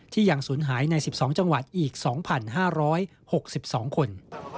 ยังสูญหายใน๑๒จังหวัดอีก๒๕๖๒คน